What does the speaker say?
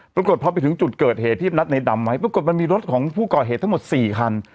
ปรากฏพอไปถึงจุดเกิดเหตุที่นัดในดำไว้ปรากฏมันมีรถของผู้ก่อเหตุทั้งหมด๔คัน